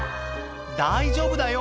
大丈夫だよ